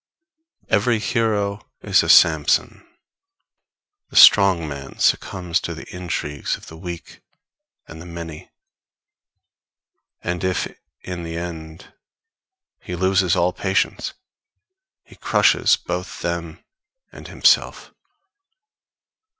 Every hero is a Samson. The strong man succumbs to the intrigues of the weak and the many; and if in the end he loses all patience he crushes both them and himself.